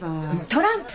トランプ。